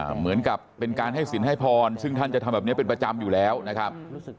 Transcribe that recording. เหมือนกับเป็นการให้สินให้พรซึ่งท่านจะทำแบบนี้เป็นประจำอยู่แล้วนะครับ